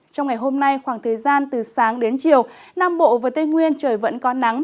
trong ngày hôm nay khoảng thời gian từ sáng đến chiều nam bộ và tây nguyên trời vẫn có nắng